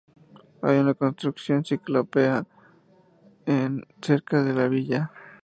Hay una construcción ciclópea cerca de la villa.